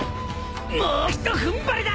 もうひと踏ん張りだ！